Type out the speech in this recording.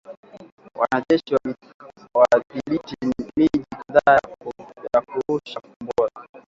Wanajeshi wadhibithi miji kadhaa na kurusha Kombora